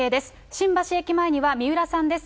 新橋駅前には、三浦さんです。